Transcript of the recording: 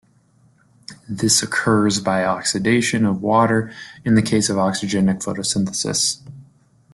This occurs by oxidation of water in the case of oxygenic photosynthesis.